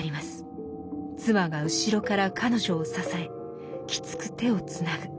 妻が後ろから彼女を支えきつく手をつなぐ。